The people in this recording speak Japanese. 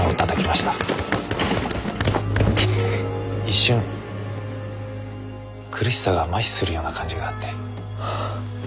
一瞬苦しさがまひするような感じがあって。